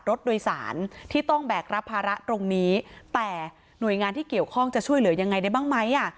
รถโดยสารที่ต้องแบกรับภาระตรงนี้แต่หน่วยงานที่เกี่ยวข้องจะช่วยเหลือยังไงได้บ้างไหมอ่ะ